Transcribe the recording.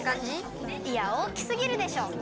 いやおおきすぎるでしょ！